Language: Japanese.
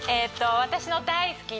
私の大好きな。